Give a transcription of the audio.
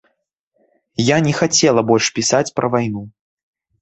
Я не хацела больш пісаць пра вайну.